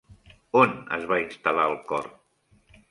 On es va instal·lar el cor?